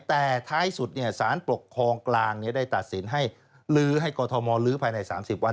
แต่ท้ายสุดสารปกครองกลางได้ตัดสินให้ลื้อให้กรทมลื้อภายใน๓๐วัน